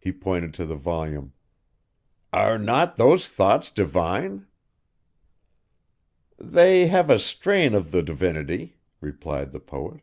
He pointed to the volume. 'Are not those thoughts divine?' 'They have a strain of the Divinity,' replied the poet.